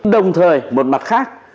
đồng thời một mặt khác